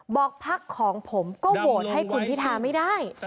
บอกพรรคของผมก็โวชน์ให้คุณพิไถไม่ได้